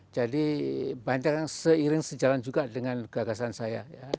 jadi banyak yang seiring sejalan juga dengan gagasan saya